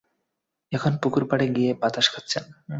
এখন পুকুর পাড়ে গিয়ে বাতাস খাচ্ছেন।